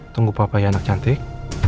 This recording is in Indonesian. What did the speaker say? tunggu papa ya anak cantik